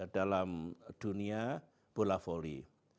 dalam dunia bola voli